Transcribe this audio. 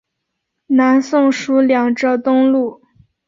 南宋属两浙东路。